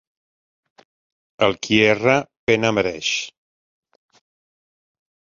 El qui erra, pena mereix.